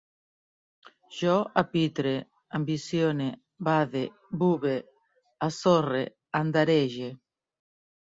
Jo apitre, ambicione, bade, bube, assorre, andarege